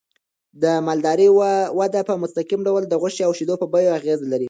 د مالدارۍ وده په مستقیم ډول د غوښې او شیدو په بیو اغېز لري.